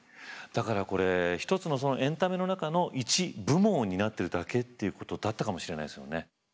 だからこれ一つのエンタメの中の１部門を担ってるだけっていうことだったかもしれないですね。